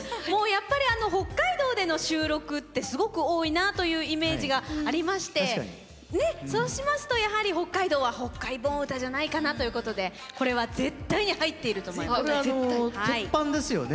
もうやっぱり北海道での収録ってすごく多いなというイメージがありましてそうしますとやはり北海道は「北海盆唄」じゃないかなということでこれは絶対に入っていると思います。